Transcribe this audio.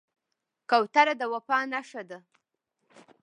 کوتره د وفا نښه ده.